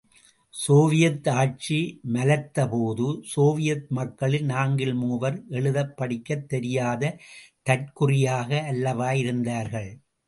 Soviet ஆட்சி, மலர்த்த போது, சோவியத் மக்களில் நான்கில் மூவர், எழுதப் படிக்கத் தெரியாத, தற்குறியாக அல்லவா இருந்தார்கள்?